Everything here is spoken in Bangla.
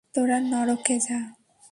তোরা নরকে যা।